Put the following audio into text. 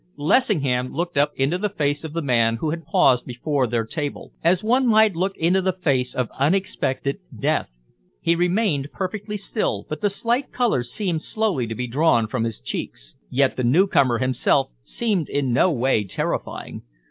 Lessingham looked up into the face of the man who had paused before their table, as one might look into the face of unexpected death. He remained perfectly still, but the slight colour seemed slowly to be drawn from his cheeks. Yet the newcomer himself seemed in no way terrifying.